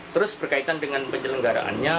terus berkaitan dengan penyelenggaraannya